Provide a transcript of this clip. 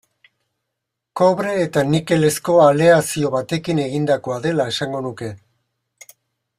Kobre eta nikelezko aleazio batekin egindakoa dela esango nuke.